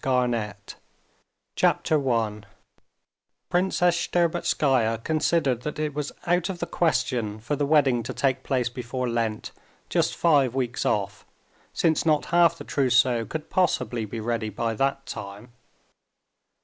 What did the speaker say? PART FIVE Chapter 1 Princess Shtcherbatskaya considered that it was out of the question for the wedding to take place before Lent, just five weeks off, since not half the trousseau could possibly be ready by that time.